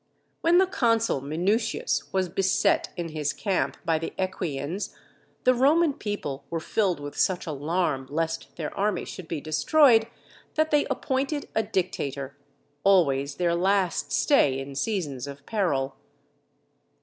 When the consul Minutius was beset in his camp by the Equians, the Roman people were filled with such alarm lest their army should be destroyed, that they appointed a dictator, always their last stay in seasons of peril.